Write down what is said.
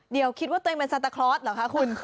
เดี๋ยวคิดว่าตัวเองเป็นซาตาคลอสเหรอคะคุณ